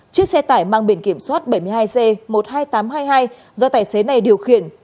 chiếc xe tải mang biển kiểm soát bảy mươi hai g một mươi hai nghìn tám trăm hai mươi hai do tài xế này điều khiển